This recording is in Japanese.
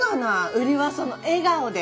売りはその笑顔で。